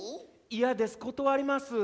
嫌です断ります。